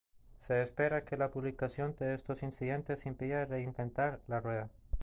Se espera que la publicación de estos incidentes impida "Re-inventar la rueda".